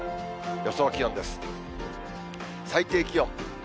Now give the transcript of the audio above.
予想気温です。